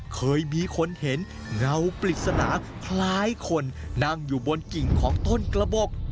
เคยมีคนเห็นเงาปริศนาคล้ายคนนั่งอยู่บนกิ่งของต้นกระบบ